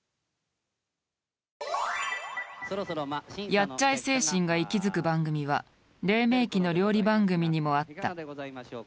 やっちゃえ精神が息づく番組はれい明期の料理番組にもあった。